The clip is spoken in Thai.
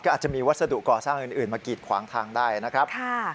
อาจจะมีวัสดุก่อสร้างอื่นมากีดขวางทางได้นะครับ